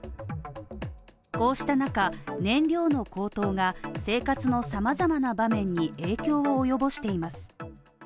こうした中、燃料の高騰が生活の様々な場面に影響を及ぼしています。